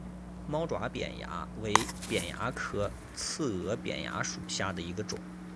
猫爪扁蚜为扁蚜科刺额扁蚜属下的一个种。